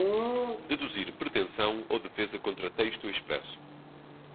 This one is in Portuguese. deduzir pretensão ou defesa contra texto expresso